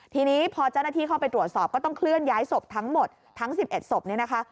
ทีนี้พอเจ้าหน้าที่เข้าไปตรวจสอบก็ต้องเคลื่อนย้ายศพทั้งหมดทั้ง๑๑ศพเนี่ยนะคะ